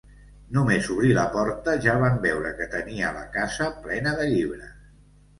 Només obrir la porta ja van veure que tenia la casa plena de llibres.